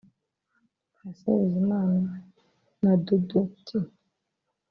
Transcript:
Patient Bizimana na Dudu T